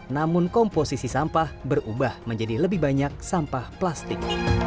namun komposisi sampah berubah menjadi lebih banyak sampah plastik